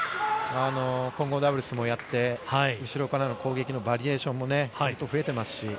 混合ダブルスもやって、後ろからの攻撃のバリエーションも本当、増えてますし。